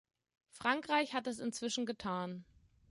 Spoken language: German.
Frankreich hat es inzwischen getan.